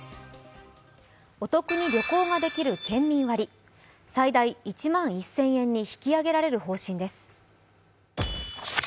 お得に旅行ができる県民割最大１万１０００円に引き上げられる方針です。